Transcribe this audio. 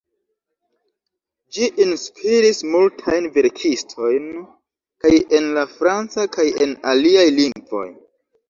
Ĝi inspiris multajn verkistojn kaj en la franca kaj en aliaj lingvoj.